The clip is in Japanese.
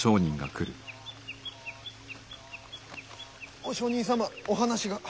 お上人様お話が。